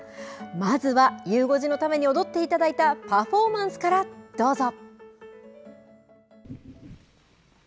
まずはゆう５時のために踊っていただいたパフォーマンスからどうぞ。